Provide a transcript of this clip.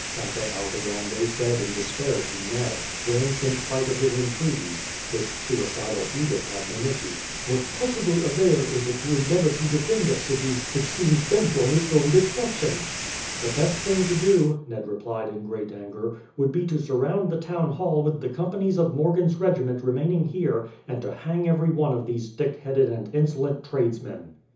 Sainte Aldegonde said in despair to Ned, when, in spite of his entreaties, this suicidal edict had been issued. "What possible avail is it to endeavour to defend a city which seems bent on its own destruction?" "The best thing to do," Ned replied in great anger, "would be to surround the town hall with the companies of Morgan's regiment remaining here, and to hang every one of these thick headed and insolent tradesmen."